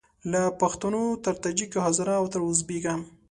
له پښتونه تر تاجیکه هزاره او تر اوزبیکه